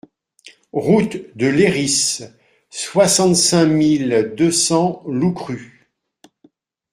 Route de Layrisse, soixante-cinq mille deux cents Loucrup